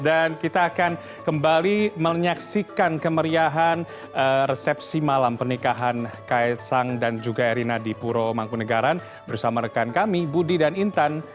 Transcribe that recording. dan kita akan kembali menyaksikan kemeriahan resepsi malam pernikahan ksang dan juga erina di puro mangkunagaran bersama rekan kami budi dan intan